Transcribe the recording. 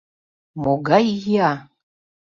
— Могай ия?